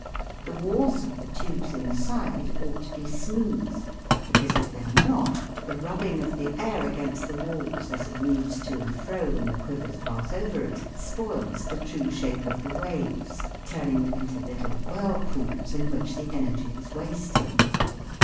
The walls of the tubes inside ought to be smooth, because, if they are not, the rubbing of the air against the walls, as it moves to and fro when the quivers pass over it, spoils the true shape of the waves, turning them into little whirl pools in which the energy is wasted.